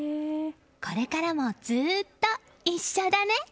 これからもずっと一緒だね！